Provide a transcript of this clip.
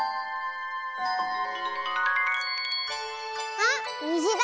あっにじだ！